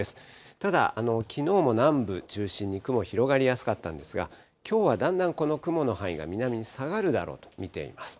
ただ、きのうも南部中心に雲広がりやすかったんですが、きょうはだんだんこの雲の範囲が南に下がるだろうと見ています。